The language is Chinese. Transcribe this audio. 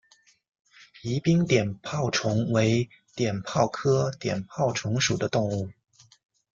宜宾碘泡虫为碘泡科碘泡虫属的动物。